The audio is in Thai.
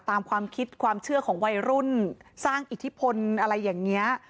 ตามความคิดความเชื่อของวัยรุ่นสร้างอิทธิพลอะไรอย่างนี้